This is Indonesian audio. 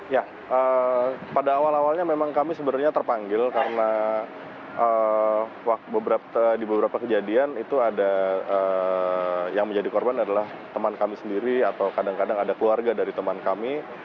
ya pada awal awalnya memang kami sebenarnya terpanggil karena di beberapa kejadian itu ada yang menjadi korban adalah teman kami sendiri atau kadang kadang ada keluarga dari teman kami